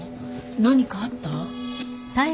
何かあった？